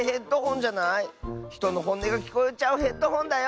ひとのほんねがきこえちゃうヘッドホンだよ！